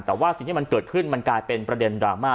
แต่ว่าสิ่งที่มันเกิดขึ้นมันกลายเป็นประเด็นดราม่า